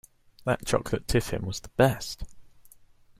That chocolate tiffin was the best!